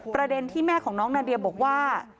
ประเด็นที่แม่ของน้องนาเดียบอกว่า